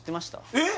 えっ！？